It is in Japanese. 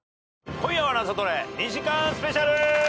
『今夜はナゾトレ』２時間スペシャル！